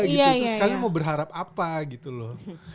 terus kalian mau berharap apa gitu loh